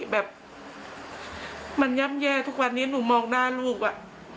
แบบมันย่ำแย่ทุกวันนี้หนูมองหน้าลูกอะ